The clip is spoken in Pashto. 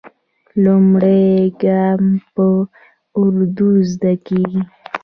لومړی ګام په اردو زده کېږي.